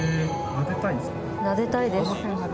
なでたいです。